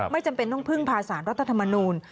จำเป็นต้องพึ่งพาสารรัฐธรรมนูล